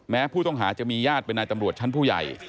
แม้ผู้ต้องหาจะมีญาติเป็นนายตำรวจชั้นผู้ใหญ่